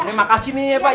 aduh makasih nih pak